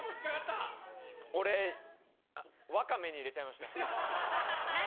俺、ワカメに入れちゃいました。